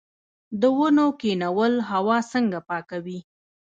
د ونو کینول هوا څنګه پاکوي؟